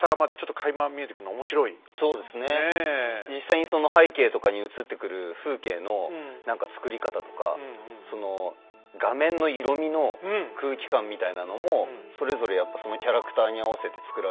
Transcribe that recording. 実際にその背景とかに映ってくる風景の何か作り方とかその画面の色みの空気感みたいなのもそれぞれやっぱそのキャラクターに合わせて作られてるので。